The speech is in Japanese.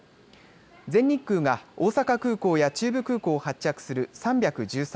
全日空が大阪空港や中部空港を発着する３１３